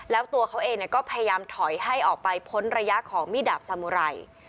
แล้วตัวเขาเองก็พยายามถอยให้ออกไปพ้นระยะของมีดดาบสามุไร